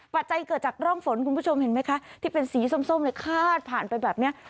ปัจจัยเกิดจากร่องฝนคุณผู้ชมเห็นไหมคะที่เป็นสีส้มเลยคาดผ่านไปแบบนี้